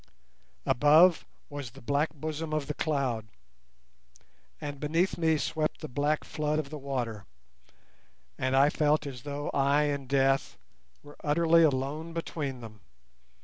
Above was the black bosom of the cloud, and beneath me swept the black flood of the water, and I felt as though I and Death were utterly alone between them.